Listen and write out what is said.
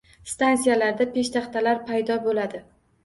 Stansiyalarda peshtaxtalar paydo bo`ladi